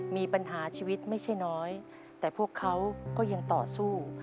มีปัญหาชีวิตไม่ใช่น้อยแต่พวกเขาก็ยังต่อสู้